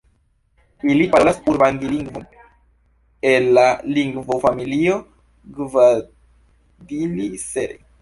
Ili parolas ubangi-lingvon el la lingvofamilio Gbadili-Sere.